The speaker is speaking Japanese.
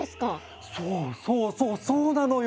そうそうそうそうなのよ！